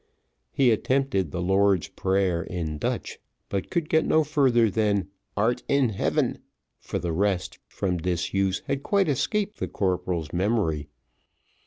He attempted the Lord's Prayer in Dutch, but could get no further than "art in heaven," for the rest, from disuse, had quite escaped the corporal's memory.